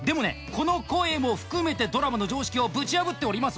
この声も含めてドラマの常識をぶち破っております